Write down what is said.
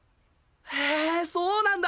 へえそうなんだ！